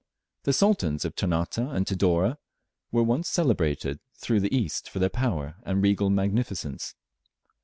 The sultans of Ternate and Tidore were once celebrated through the East for their power and regal magnificence.